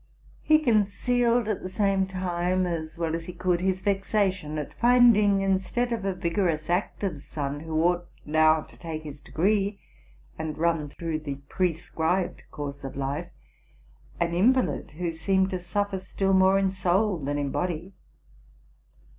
He concealed at the same time, as well as he could, "his vexation at finding, instead of a vigorous, active son, who ought now to take his degree and run through the prescribed course of RELATING TO MY LIFE. 281 life, an invalid who seemed to suffer still more in soul than in body.